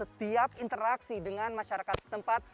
setiap interaksi dengan masyarakat setempat